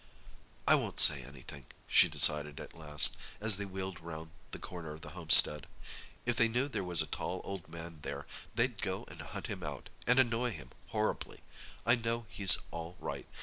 "I won't say anything," she decided at last, as they wheeled round the corner of the homestead. "If they knew there was a tall old man there, they'd go and hunt him out, and annoy him horribly. I know he's all right.